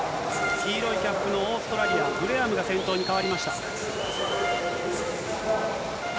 黄色いキャップのオーストラリア、グレアムが先頭に代わりました。